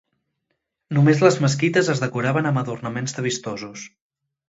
Només les mesquites es decoraven amb adornaments de vistosos.